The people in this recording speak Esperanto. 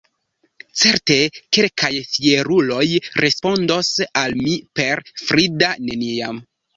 Certe kelkaj fieruloj respondos al mi per frida “neniam”.